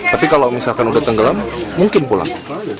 tapi kalau misalkan udah tenggelam mungkin pulang